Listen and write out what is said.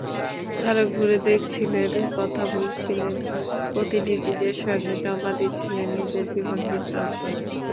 তাঁরা ঘুরে দেখছিলেন, কথা বলছিলেন প্রতিনিধিদের সঙ্গে, জমা দিচ্ছিলেন নিজের জীবনবৃত্তান্ত।